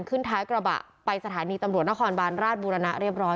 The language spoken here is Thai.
ขึ้นท้ายกระบะไปสถานีตำรวจนครบานราชบูรณะเรียบร้อย